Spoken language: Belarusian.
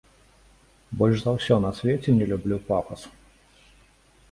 Больш за ўсё на свеце не люблю пафас.